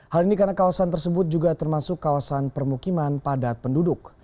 hal ini karena kawasan tersebut juga termasuk kawasan permukiman padat penduduk